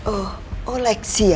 oh oh leksi ya